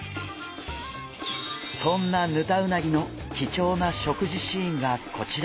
そんなヌタウナギの貴重な食事シーンがこちら！